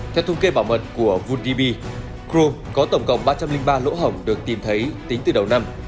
theo thông kê bảo mật của voodoobee chrome có tổng cộng ba trăm linh ba lỗ hổng được tìm thấy tính từ đầu năm